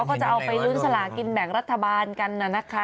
ก็จะเอาไปลุ้นสลากินแบ่งรัฐบาลกันนะคะ